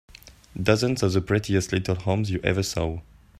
Dozens of the prettiest little homes you ever saw.